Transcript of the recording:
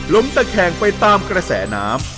ตะแคงไปตามกระแสน้ำ